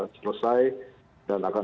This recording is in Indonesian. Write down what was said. selesai dan akan